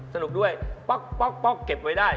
สนุกด้วยป๊อกเก็บไว้ได้